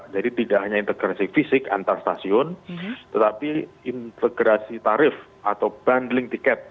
tidak hanya integrasi fisik antar stasiun tetapi integrasi tarif atau bundling tiket